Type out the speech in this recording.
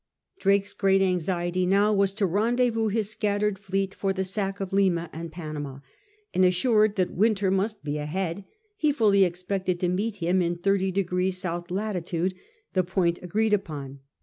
Drake's great anxiety now was to rendezvous his scattered fleet for the sack of Lima and Panama, and assured that Wynter must be ahead he fully expected to find him in 30 north latitude, the point agreed on.